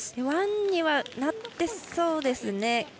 ワンにはなってそうですね。